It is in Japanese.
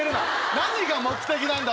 何が目的なんだ？